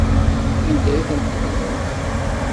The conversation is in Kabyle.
Anda ay tent-tedlemt?